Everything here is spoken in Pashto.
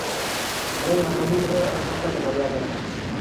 سړی د ناکامۍ څخه د بریا درس اخلي